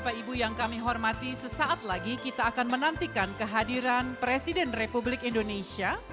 bapak ibu yang kami hormati sesaat lagi kita akan menantikan kehadiran presiden republik indonesia